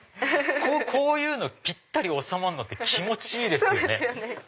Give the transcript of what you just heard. こういうのぴったり収まるの気持ちいいですよね。